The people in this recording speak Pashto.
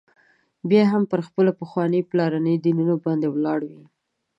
بیا هم پر خپلو پخوانیو پلرنيو دینونو باندي ولاړ وي.